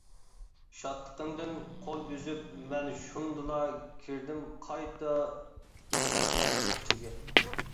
شادلىقىمدىن قول ئۈزۈپ مەن شۇندىلا كىردىم قايتا كۈلپەتلەرنىڭ ئىچىگە.